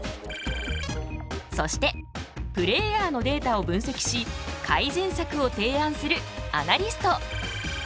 そしてプレーヤーのデータを分析し改善策を提案するアナリスト。